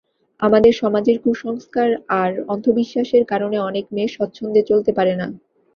আমাদের সমাজের কুসংস্কার আর অন্ধবিশ্বাসের কারণে অনেক মেয়ে স্বচ্ছন্দে চলতে পারে না।